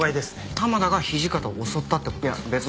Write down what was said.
玉田が土方を襲ったって事ですか？